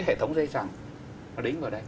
hệ thống dây trăng